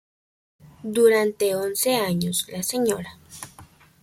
Durante once años, la Sra.